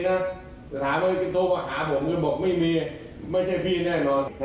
ธนาฬิกาตั้มบอกว่าเป็นรองนายกสมัยรัฐบาลหิ่งหลัก